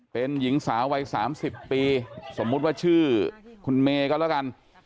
เป็นหญิงสาววัย๓๐ปีสมมุติว่าชื่อคุณเมย์ก็แล้วกัน